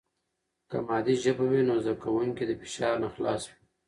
که مادي ژبه وي، نو زده کوونکي د فشار نه خلاص وي.